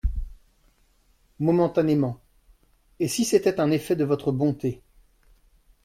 Momentanément ; et si c’était un effet de votre bonté…